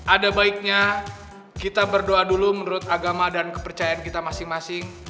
ada baiknya kita berdoa dulu menurut agama dan kepercayaan kita masing masing